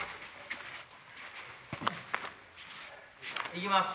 行きます！